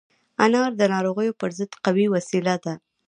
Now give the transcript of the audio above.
انار د ناروغیو پر ضد قوي وسيله ده.